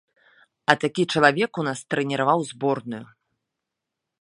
А такі чалавек у нас трэніраваў зборную!